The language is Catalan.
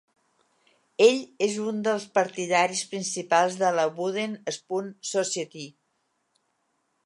Ell és un dels partidaris principals de la Wooden Spoon Society.